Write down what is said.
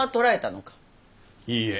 いいえ。